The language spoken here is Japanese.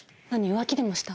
浮気でもした？